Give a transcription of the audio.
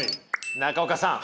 中岡さん